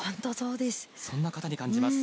そんな形に感じます。